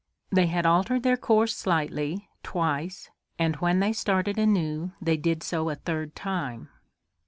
They had altered their course slightly, twice, and when they started anew they did so a third time.